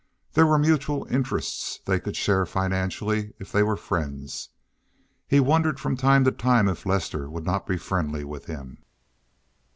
There were mutual interests they could share financially if they were friends. He wondered from time to time if Lester would not be friendly with him.